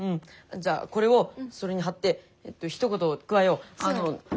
じゃあこれをそれに貼ってひと言加えよう。